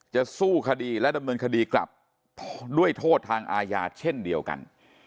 จะสู้คดีและดำเนินคดีกลับด้วยโทษทางอาญาเช่นเดียวกัน